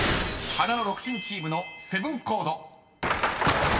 ［花の独身チームのセブンコード］